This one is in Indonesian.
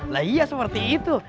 lah iya seperti itu